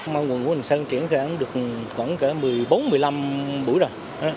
màu nguồn quân sân triển khai được khoảng một mươi bốn một mươi năm buổi rồi